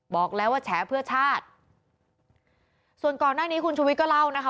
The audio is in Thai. บอกแล้วว่าแฉเพื่อชาติส่วนก่อนหน้านี้คุณชุวิตก็เล่านะคะ